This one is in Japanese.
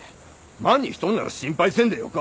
万にひとっなら心配せんでよか。